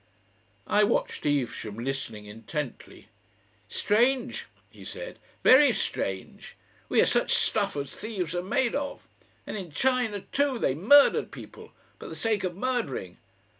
I watched Evesham listening intently. "Strange," he said, "very strange. We are such stuff as thieves are made of. And in China, too, they murdered people for the sake of murdering.